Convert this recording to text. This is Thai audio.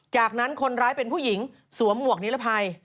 จากนั้นคนร้ายเป็นผู้หญิงสวมหมวกนิรภัย